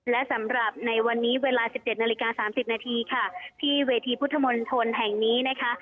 และสำหรับในวันนี้เวลา๑๗นาฬิกา๓๐นาทีค่ะที่เวทีพุทธมนตรแห่งนี้นะคะ